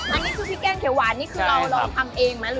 อันนี้คือพี่แก้งเขียวหวานนี่คือเราทำเองมั้ยเหรอ